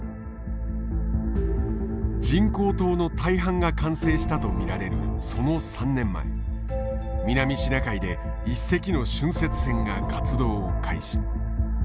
人工島の大半が完成したと見られるその３年前南シナ海で一隻の浚渫船が活動を開始。